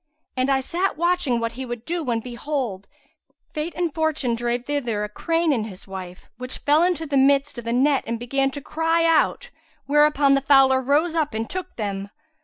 And I sat watching what he would do when behold, fate and fortune drave thither a crane and his wife, which fell into the midst of the net and began to cry out; whereupon the fowler rose up and took them.